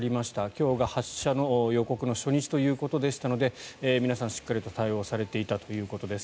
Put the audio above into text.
今日が発射の予告の初日ということでしたので皆さん、しっかりと対応されていたということです。